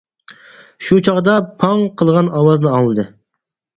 شۇ چاغدا «پاڭ» قىلغان ئاۋازنى ئاڭلىدى.